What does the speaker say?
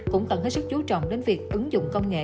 cũng cần hết sức chú trọng đến việc ứng dụng công nghệ